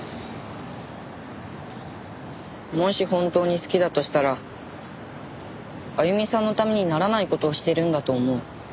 もし本当に好きだとしたらあゆみさんのためにならない事をしてるんだと思う。